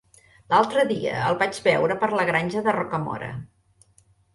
L'altre dia el vaig veure per la Granja de Rocamora.